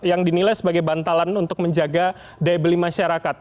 yang dinilai sebagai bantalan untuk menjaga daya beli masyarakat